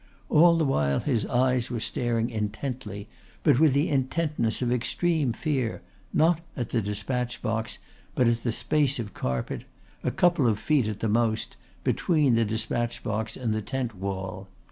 All the while his eyes were staring intently, but with the intentness of extreme fear, not at the despatch box but at the space of carpet a couple of feet at the most between the despatch box and the tent wall.